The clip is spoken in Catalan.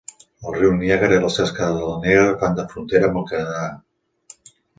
El Riu Niàgara i les Cascades del Niàgara fan de frontera amb el Canadà.